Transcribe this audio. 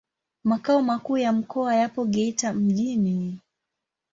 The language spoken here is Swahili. Makao makuu ya mkoa yapo Geita mjini.